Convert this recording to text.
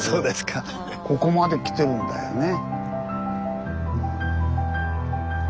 ここまで来てるんだよね。